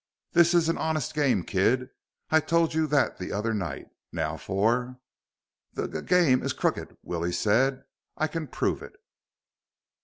"This is an honest game, kid. I told you that the other night. Now for " "The g game is crooked!" Willie said. "I can prove it."